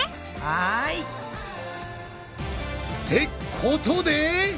はい！ってことで！